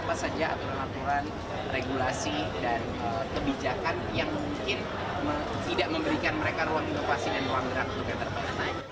apa saja aturan aturan regulasi dan kebijakan yang mungkin tidak memberikan mereka ruang inovasi dan ruang gerak untuk yang terbaik